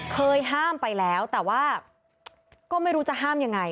เคยห้ามไปแล้วแต่ว่าก็ไม่รู้จะห้ามยังไง